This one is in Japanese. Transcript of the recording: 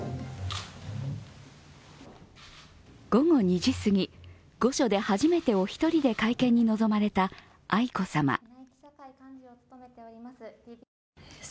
午後２時すぎ、御所で初めてお一人で会見に臨まれた愛子さま。